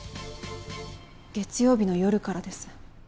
月曜日の夜からです。